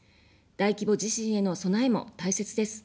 大規模地震への備えも大切です。